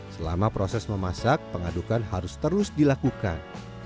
selama proses memasak pengadukan harus terus dilakukan